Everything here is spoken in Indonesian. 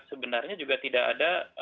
sebenarnya juga tidak ada